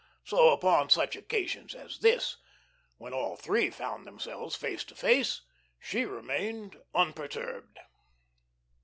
So upon such occasions as this, when all three found themselves face to face, she remained unperturbed.